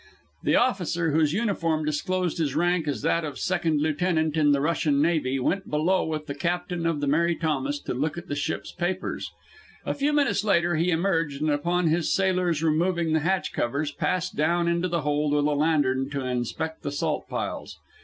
The officer, whose uniform disclosed his rank as that of second lieutenant in the Russian navy, went below with the captain of the Mary Thomas to look at the ship's papers. A few minutes later he emerged, and upon his sailors removing the hatch covers, passed down into the hold with a lantern to inspect the salt piles.